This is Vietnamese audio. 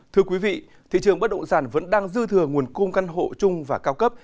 thưa quý vị thị trường bất động sản vẫn đang dư thừa nguồn cung căn hộ chung và cao cấp